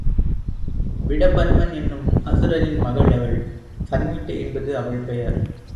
விடபன்மன் என்னும் அசுரனின் மகள் அவள் சன்மிட்டை என்பது அவள் பெயர்.